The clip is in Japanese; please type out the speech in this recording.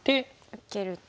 受けると。